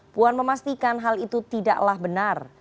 puan memastikan hal itu tidaklah benar